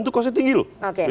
itu kosnya tinggi loh